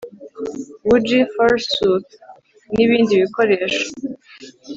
Buji forsooth nibindi bikoresho